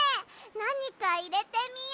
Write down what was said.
なにかいれてみよ。